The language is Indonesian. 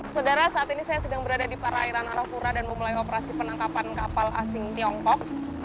saudara saat ini saya sedang berada di perairan arafura dan memulai operasi penangkapan kapal asing tiongkok